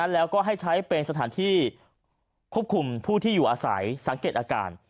แล้วก็ให้ใช้เป็นสถานที่ควบคุมผู้ที่อยู่อาศัยสังเกตอาการ